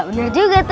bener juga tuh